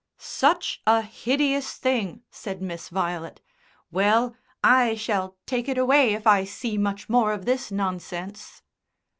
"Such a hideous thing!" said Miss Violet. "Well, I shall take it away if I see much more of this nonsense."